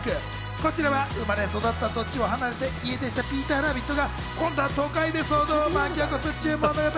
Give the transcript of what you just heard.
こちらは生まれ育った土地を離れて家出したピーターラビットが今度は都会で騒動を巻き起こすっちゅう物語。